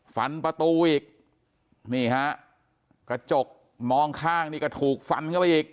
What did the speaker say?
ฟันประตูอีกนี่ฮะกระจกมองข้างนี่ก็ถูกฟันเข้าไปอีก